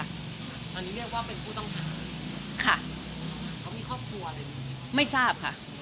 ตอนนี้เรียกว่าเป็นผู้ต้องหาค่ะเขามีครอบครัวอะไรไหมไม่ทราบค่ะ